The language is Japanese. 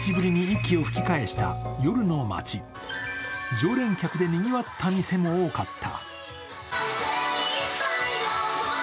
常連客でにぎわった店も多かった。